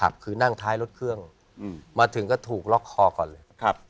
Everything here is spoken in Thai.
ถึงก็ถูกล็อกคอก่อนเลย